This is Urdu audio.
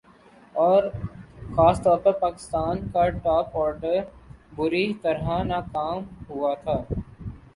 اور خاص طور پر پاکستان کا ٹاپ آرڈر بری طرح ناکام ہوا تھا